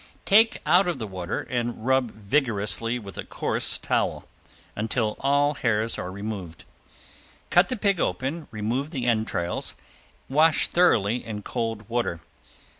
Take out of the water and rub vigorously with a coarse towel, until all hairs are removed. Cut the pig open, remove the entrails, wash thoroughly in cold water.